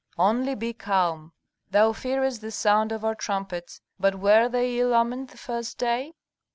"Only be calm. Thou fearest the sound of our trumpets. But were they ill omened the first day?"